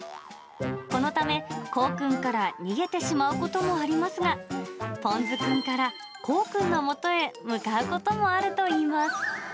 このため、こうくんから逃げてしまうこともありますが、ぽんずくんから、こうくんのもとへ向かうこともあるといいます。